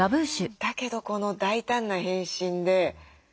だけどこの大胆な変身で。